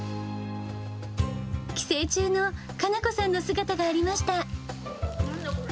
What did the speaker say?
帰省中の可奈子さんの姿がありました。